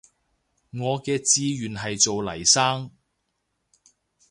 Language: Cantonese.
我嘅志願係做黎生